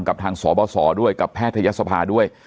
กับทางสบสด้วยกับแพทยศภาด้วย